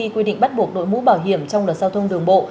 quy định bắt buộc đội mũ bảo hiểm trong đợt giao thông đường bộ